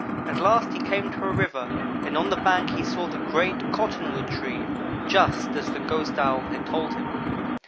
At last he came to a river and on the bank he saw the great cottonwood tree, just as the ghost Owl had told him.